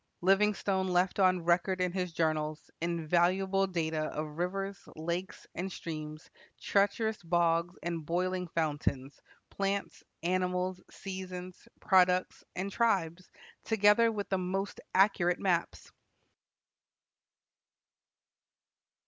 Livingstone left on record in his journals invaluable data of rivers, lakes, and streams, treacherous bogs, and boiling fountains, plants, animals, seasons, products, and tribes, together with the most accurate maps.